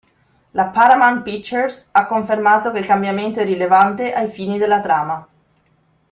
La Paramount Pictures ha confermato che il cambiamento è rilevante ai fini della trama.